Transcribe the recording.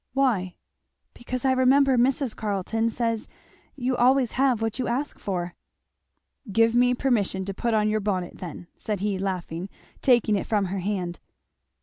"Why?" "Because I remember Mrs. Carleton says you always have what you ask for." "Give me permission to put on your bonnet, then," said he laughingly, taking it from her hand.